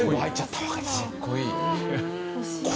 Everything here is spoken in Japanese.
かっこいい。